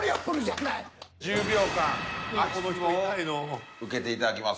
１０秒間足つぼを受けていただきます。